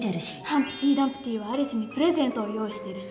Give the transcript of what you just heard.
ハンプティ・ダンプティはアリスにプレゼントを用意してるし。